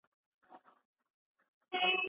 د مطالعې دا لړۍ تر اوسه پورې غبرګ ساتل سوې.